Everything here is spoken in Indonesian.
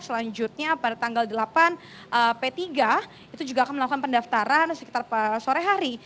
selanjutnya pada tanggal delapan p tiga itu juga akan melakukan pendaftaran sekitar sore hari